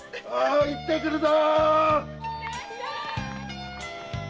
行って来るぞ！